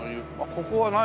ここは何？